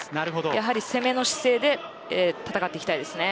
やはり攻めの姿勢で戦っていきたいですね。